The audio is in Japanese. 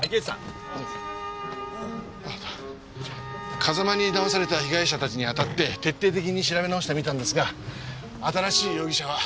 風間に騙された被害者たちに当たって徹底的に調べ直してみたんですが新しい容疑者は出てきませんね。